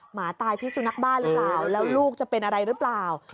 หมาตายพิสุนัขบ้านหรือเปล่าแล้วลูกจะเป็นอะไรหรือเปล่า